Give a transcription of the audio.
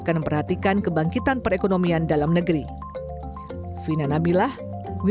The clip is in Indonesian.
dan terakhir koordinasi internasional dalam kooperasi teks